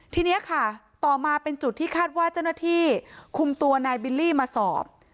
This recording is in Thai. ทีนี้ค่ะต่อมาเป็นจุดที่คาดว่าเจ้าหน้าที่คุมตัวนายบิลลี่มาสอบ